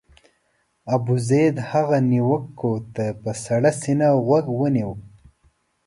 ابوزید هغو نیوکو ته په سړه سینه غوږ ونیو.